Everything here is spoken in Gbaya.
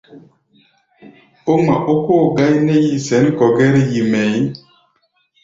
Ó ŋma ókóo gáí nɛ́ yi sɛ̌n kɔ̧ gɛ́r-yi mɛʼí̧.